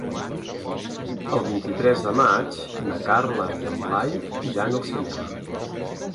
El vint-i-tres de maig na Carla i en Blai iran al cinema.